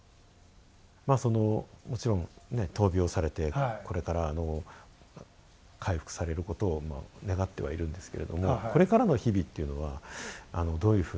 そのもちろんね闘病されてこれから回復されることを願ってはいるんですけれどもこれからの日々っていうのはどういうふうに。